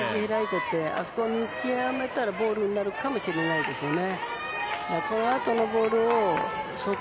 あそこ見極めたらボールになるかもしれないですね。